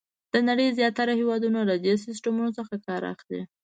د نړۍ زیاتره هېوادونه له دې سیسټمونو څخه کار اخلي.